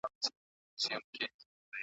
هر وګړے خپل اندام دې ګرزؤمه